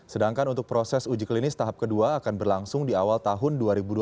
sedangkan untuk proses uji klinis tahap kedua akan berlangsung di awal tahun dua ribu dua puluh